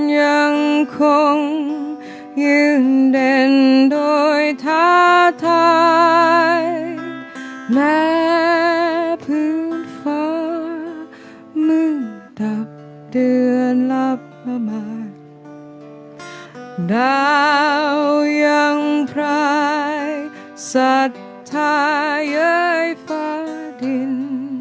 ฝ่าเมืองดับเดือนลับมามากยังพลายสัตว์ท่าเย้ยฝ้าดิน